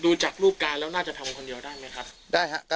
จากรูปการณ์แล้วน่าจะทำคนเดียวได้ไหมครับได้ฮะ